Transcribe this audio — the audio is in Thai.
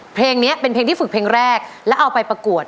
เพลงนี้เป็นเพลงที่ฝึกเพลงแรกแล้วเอาไปประกวด